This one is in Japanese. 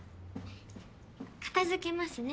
片付けますね。